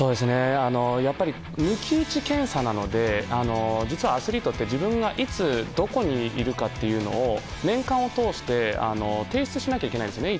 やっぱり抜き打ち検査なので実はアスリートって自分がいつどこにいるかっていうのを年間を通して提出しなきゃいけないんですね